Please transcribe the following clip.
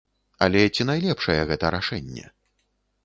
Але ці найлепшае гэта рашэнне?